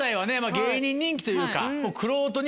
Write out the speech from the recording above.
芸人人気というか。